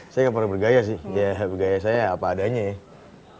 saya gak pernah bergaya sih ya gaya saya apa adanya ya